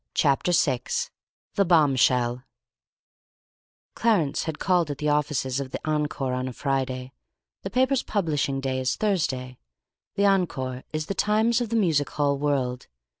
Chapter 6 THE BOMB SHELL Clarence had called at the offices of the Encore on a Friday. The paper's publishing day is Thursday. The Encore is the Times of the music hall world.